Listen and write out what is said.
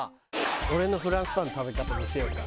俺のフランスパンの食べ方見せようか？